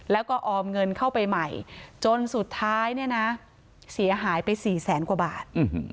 แล้วก็ออมเงินเข้าไปใหม่จนสุดท้ายเนี่ยนะเสียหายไป๔แสนกว่าบาท